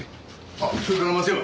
あっそれから松山。